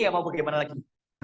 ya mau bagaimana lagi